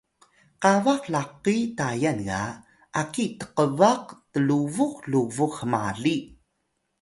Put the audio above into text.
qabax laqi Tayal ga aki tqbaq tlubux lubux hmali